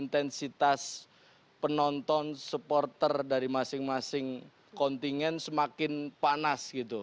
intensitas penonton supporter dari masing masing kontingen semakin panas gitu